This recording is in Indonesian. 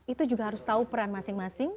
itu juga harus tahu peran masing masing